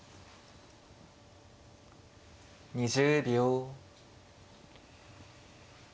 ２０秒。